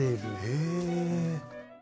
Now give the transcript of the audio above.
へえ。